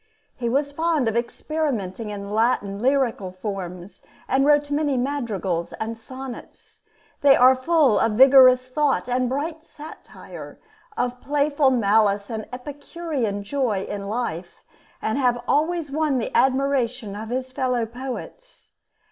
He was fond of experimenting in Latin lyrical forms, and wrote many madrigals and sonnets. They are full of vigorous thought and bright satire, of playful malice and epicurean joy in life, and have always won the admiration of his fellow poets.